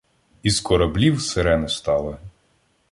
Із кораблів — сирени стали